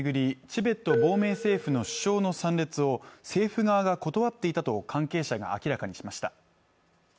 チベット亡命政府の首相の参列を政府側が断っていたと関係者が明らかにしました